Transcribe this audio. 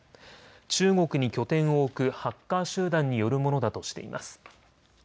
中国に拠点を置くハッカー集団によるものだとしています。